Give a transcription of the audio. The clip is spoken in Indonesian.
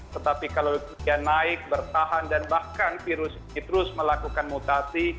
tetapi kalau dia naik bertahan dan bahkan virus ini terus melakukan mutasi